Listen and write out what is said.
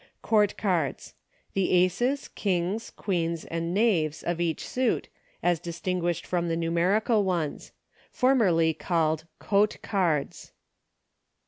Court Cards. The Aces, Kings, Queens, and Knaves, of each suit, as distinguished from the numerical ones. Formerly called coat cards.